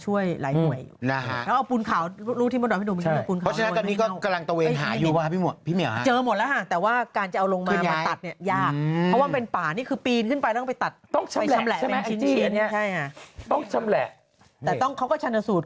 จากนั้นพอเลยไปแดดออกเฉยเลยพี่บอยลงไอจี